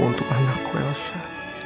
untuk anakku elsa